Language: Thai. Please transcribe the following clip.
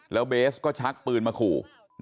แล้วเบสก็ชักปืนมาขู่